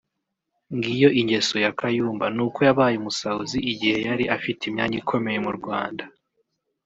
ngiyo ingeso ya Kayumba n’uko yabaye umusahuzi igihe yari afite imyanya ikomeye mu Rwanda